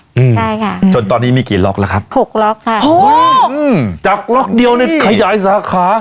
ใช่ค่ะจนตอนนี้มีกี่ล็อคแล้วครับ๖ล็อคค่ะโหจากล็อคเดียวเนี่ยขยายสาขา